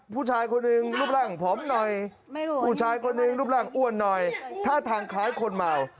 ผู้ชายคนหนึ่งรูปร่างของผมหน่อยไม่รู้ผู้ชายคนหนึ่งรูปร่างอ้วน